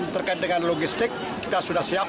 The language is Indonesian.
terkait dengan logistik kita sudah siap